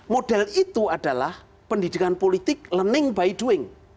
model itu adalah pendidikan politik learning by doing